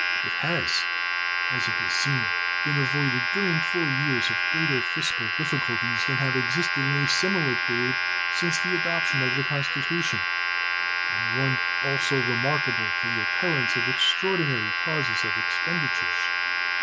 It has, it is seen, been avoided during four years of greater fiscal difficulties than have existed in a similar period since the adoption of the Constitution, and one also remarkable for the occurrence of extraordinary causes of expenditures.